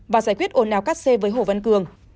và giải quyết ồn ào các xe với hồ văn cường